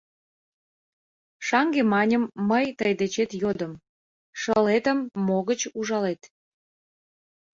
Шаҥге, маньым, мый тый дечет йодым: шылетым могыч ужалет?